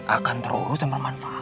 akan terus dan bermanfaat